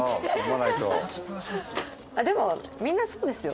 でもみんなそうですよ。